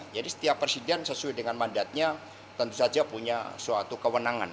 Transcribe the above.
jadi setiap presiden sesuai dengan mandatnya tentu saja punya suatu kewenangan